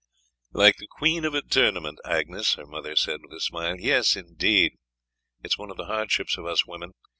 "Like the queen of a tournament, Agnes," her mother said with a smile. "Yes, indeed, it is one of the hardships of us women.